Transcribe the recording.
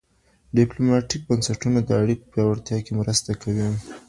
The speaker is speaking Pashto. ډیپلوماټیک بنسټونه د اړیکو په پیاوړتیا کي مرسته کوي.